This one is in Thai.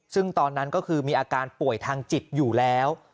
ซึ่งตอนนั้นก็คือมีอาการป่วยทางจิตอยู่แล้ว